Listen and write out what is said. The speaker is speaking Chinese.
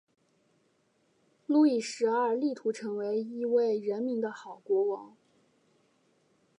路易十二力图成为一位人民的好国王。